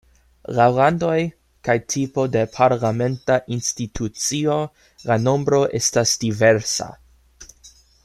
Laŭ landoj kaj tipo de parlamenta institucio la nombro estas diversa.